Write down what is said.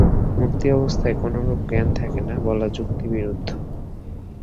মুক্তি-অবস্থায় কোনরূপ জ্ঞান থাকে না, বলা যুক্তিবিরুদ্ধ।